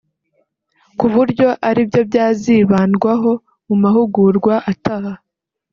ku buryo ari byo byazibandwaho mu mahugurwa ataha